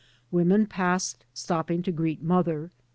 Women passing stopped to greet mother.